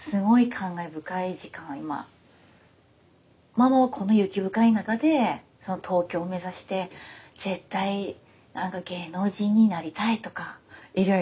ママはこの雪深い中で東京目指して絶対芸能人になりたいとかいろいろと考えてたわけよ。